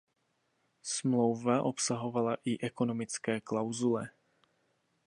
Smlouva obsahovala i ekonomické klauzule.